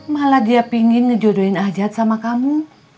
malah dia pingin ngejodohin ajat sama kamu